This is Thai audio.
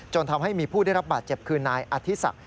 จนทำให้มีผู้ได้รับบาดเจ็บคืนนายอธิษฐ์